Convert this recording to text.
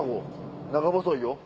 長細いよ。